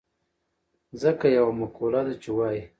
ځکه يوه مقوله ده چې وايي.